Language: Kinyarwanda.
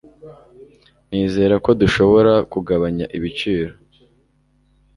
Nizere ko dushobora kugabanya ibiciro.